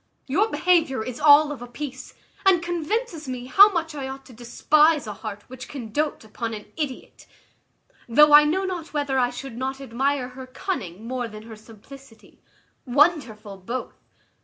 Your behaviour is all of a piece, and convinces me how much I ought to despise a heart which can doat upon an idiot; though I know not whether I should not admire her cunning more than her simplicity: wonderful both!